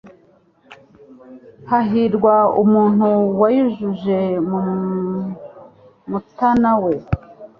Hahirwa umuntu wayujuje mu mutana we